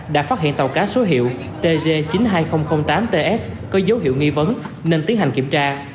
đã phát hiện tàu cá số hiệu tg chín mươi hai nghìn tám ts có dấu hiệu nghi vấn nên tiến hành kiểm tra